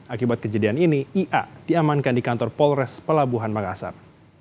akibat kejadian ini ia diamankan di kantor polres pelabuhan makassar